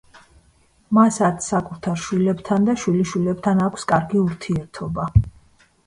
მას არც საკუთარ შვილებთან და შვილიშვილებთან აქვს კარგი ურთიერთობა.